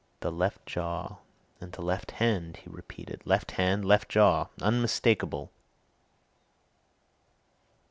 "The left jaw and the left hand!" he repeated. "Left hand left jaw! Unmistakable!"